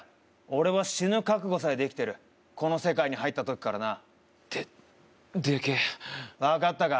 俺は死ぬ覚悟さえできてるこの世界に入った時からなででけえ分かったか？